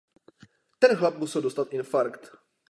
Ten chlap musel dostat infarkt.